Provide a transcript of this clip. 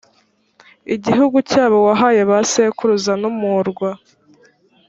igihugu cyabo wahaye ba sekuruza n umurwa